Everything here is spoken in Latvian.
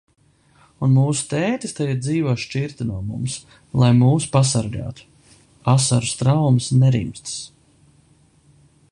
Un mūsu tētis tagad dzīvo šķirti no mums, lai mūs pasargātu. Asaru straumes nerimstas.